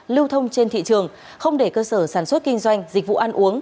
lưu thông trên thị trường không để cơ sở sản xuất kinh doanh dịch vụ ăn uống